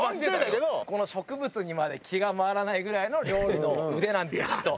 この植物にまで気が回らないぐらいの料理の腕なんですきっと。